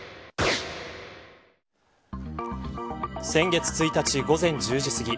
先月１日、午前１０時すぎ